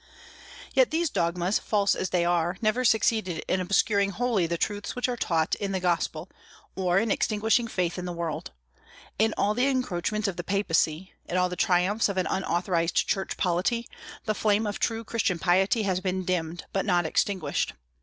Yet these dogmas, false as they are, never succeeded in obscuring wholly the truths which are taught in the gospel, or in extinguishing faith in the world. In all the encroachments of the Papacy, in all the triumphs of an unauthorized Church polity, the flame of true Christian piety has been dimmed, but not extinguished.